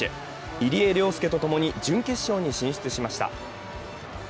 入江陵介と共に準決勝に進出しました。